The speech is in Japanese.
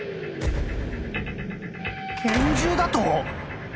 拳銃だとぉ！？